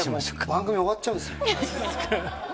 番組終わっちゃうんですよ。